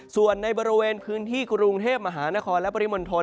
ส่วนในบริเวณพื้นที่กรุงเทพมหานครและปริมณฑล